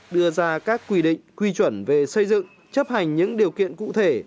đưa ra các quy định quy chuẩn về xây dựng chấp hành những điều kiện cụ thể